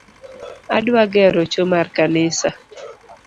Adwa gero choo mar kanisa